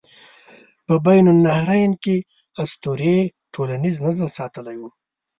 په بین النهرین کې اسطورې ټولنیز نظم ساتلی و.